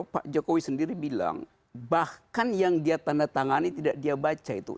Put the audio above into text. pak jokowi sendiri bilang bahkan yang dia tanda tangani tidak dia baca itu